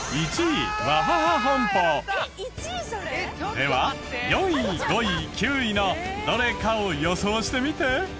では４位５位９位のどれかを予想してみて。